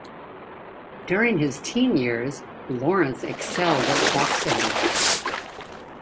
During his teen years, Lawrence excelled at boxing.